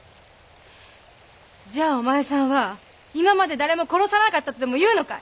じゃあお前さんは今まで誰も殺さなかったとでも言うのかい？